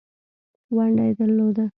ونډه یې درلوده.